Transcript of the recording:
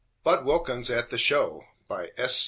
BUDD WILKINS AT THE SHOW BY S.